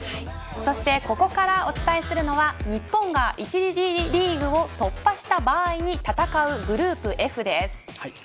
そして、ここからお伝えするのは日本が１次リーグを突破した場合に戦うグループＦです。